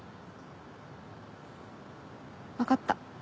分かった。